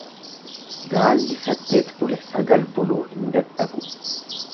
Gaalli saddeet bule sagal buluu hin dadhabu.